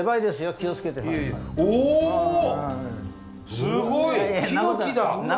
すごい！